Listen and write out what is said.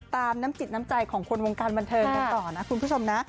ตามน้ำจิตน้ำใจของคนวงการบันเทิงกันต่อนะคุณผู้ชมนะ